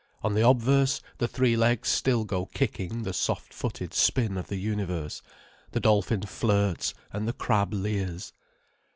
On the obverse the three legs still go kicking the soft footed spin of the universe, the dolphin flirts and the crab leers.